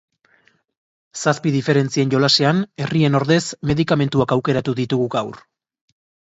Zazpi diferentzien jolasean, herrien ordez, medikamentuak aukeratu ditugu gaur.